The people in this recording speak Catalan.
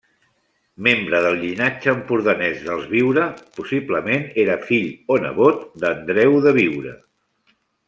Membre del llinatge empordanès dels Biure, possiblement era fill o nebot d'Andreu de Biure.